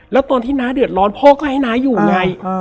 แล้วตอนที่น้าเดือดร้อนพ่อก็ให้น้าอยู่ไง